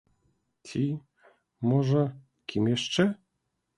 Ці, можа, кім яшчэ?